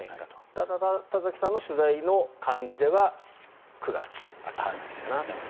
ただ、田崎さんの取材の感じでは９月、秋じゃないかなと。